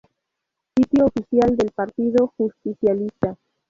Sitio Oficial del Partido Justicialista